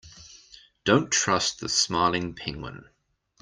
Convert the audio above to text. Don't trust the smiling penguin.